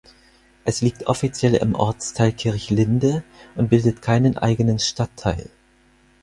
Es liegt offiziell im Ortsteil Kirchlinde und bildet keinen eigenen Stadtteil.